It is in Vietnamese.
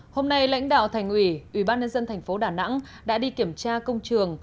hôm nay lãnh đạo thành ủy ủy ban nhân dân thành phố đà nẵng đã đi kiểm tra công trường